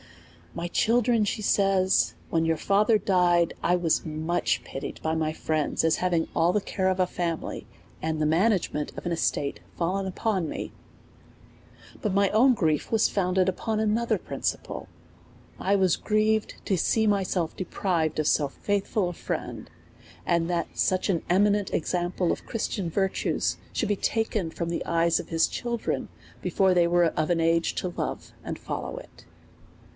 My children, says she, when your father died, I was much pitied by my friends, as having all the care of a family, and the management of an estate fallen upon me. But my own grief was founded upon another prin ciple : I was grieved to see myself deprived of so faith ful a friend, and that such an eminent example of Christian virtues, should be taken from the eyes of his children before they we^e of an age to love and follow it.